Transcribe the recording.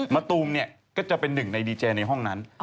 ตูมเนี่ยก็จะเป็นหนึ่งในดีเจในห้องนั้น